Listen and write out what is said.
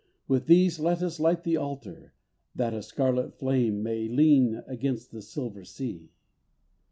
With these let us light the altar, That a scarlet flame may lean Against the silver sea.